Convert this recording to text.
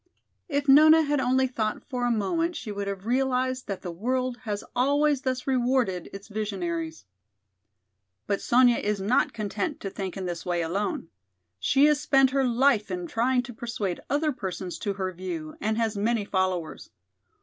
If Nona had only thought for a moment she would have realized that the world has always thus rewarded its visionaries. "But Sonya is not content to think in this way alone. She has spent her life in trying to persuade other persons to her view, and has many followers.